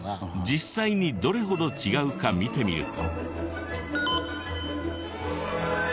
実際にどれほど違うか見てみると。